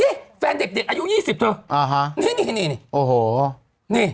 นี่แฟนเด็กอายุ๒๐เธอ